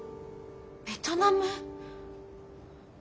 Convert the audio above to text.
ベトナム？